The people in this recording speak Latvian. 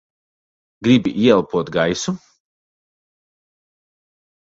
Gribi ieelpot gaisu?